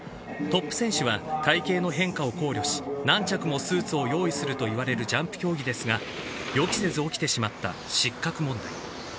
トップ選手は体型の変化を考慮し、何着もスーツを用意するといわれるジャンプ競技ですが、予期せず起きてしまった失格問題。